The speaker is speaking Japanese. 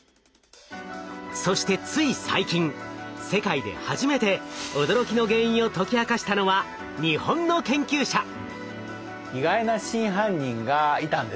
そしてつい最近世界で初めて驚きの原因を解き明かしたのは日本の研究者！